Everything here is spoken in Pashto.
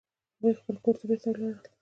هغوی خپل کور ته بیرته ولاړل